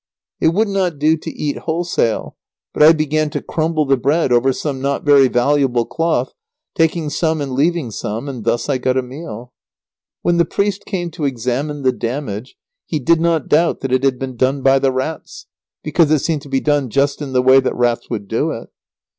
It would not do to eat wholesale, but I began to crumble the bread over some not very valuable cloth, taking some and leaving some, and thus I got a meal. When the priest came to examine the damage, he did not doubt that it had been done by the rats, because it seemed to be done just in the way that rats would do it.